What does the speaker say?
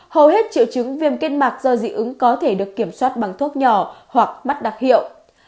hầu hết triệu chứng viêm kết mạc do dị ứng có thể được kiểm soát bằng thuốc nhỏ hoặc mắt đặc hiệu